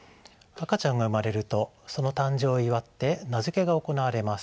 赤ちゃんが産まれるとその誕生を祝って名付けが行われます。